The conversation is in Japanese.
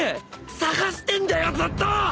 捜してんだよずっと！